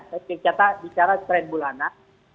saya kata di cara trend bulanan